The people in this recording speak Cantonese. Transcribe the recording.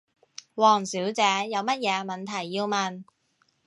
王小姐，有乜嘢問題要問？